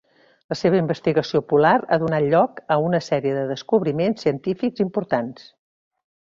La seva investigació polar ha donat lloc a una sèrie de descobriments científics importants.